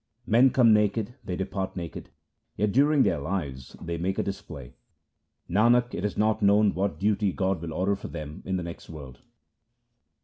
Men come naked, they depart naked, yet during their lives they make a display ; Nanak, it is not known what duty God will order for them in the next world.